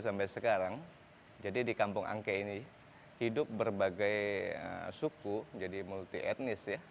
masjid angke ini hidup berbagai suku jadi multi etnis ya